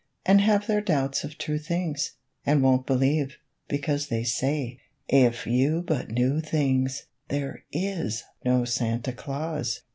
And have their doubts of true things, And won't believe, because They say, "If you but knew things, There is no Santa Claus!"